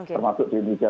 termasuk di indonesia